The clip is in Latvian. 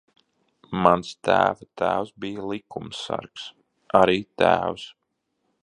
Mans tēva tēvs bija likumsargs. Arī tēvs.